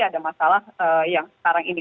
ada masalah yang sekarang ini